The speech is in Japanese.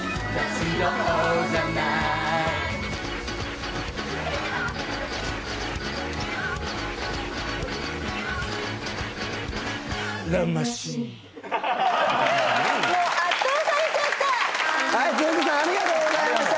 つんく♂さんありがとうございました。